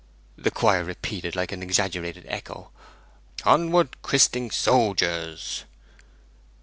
"' The choir repeated like an exaggerative echo: 'On wed, Chris ting, sol jaws!'